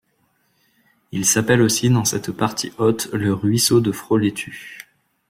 Il s'appelle aussi, dans cette partie haute, le ruisseau de Fraulettu.